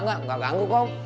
enggak enggak ganggu om